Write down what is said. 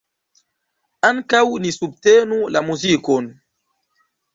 Ankaŭ ni subtenu la muzikon.